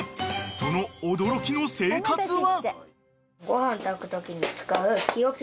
［その驚きの生活は？］